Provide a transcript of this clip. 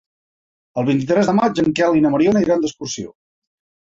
El vint-i-tres de maig en Quel i na Mariona iran d'excursió.